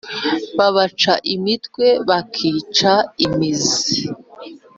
babaca imitwe bakica imizi